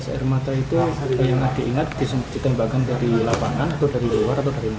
gas air mata itu yang adik ingat ditembakkan dari lapangan atau dari luar atau dari mana